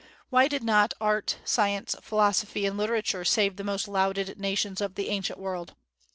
Why did not art, science, philosophy, and literature save the most lauded nations of the ancient world?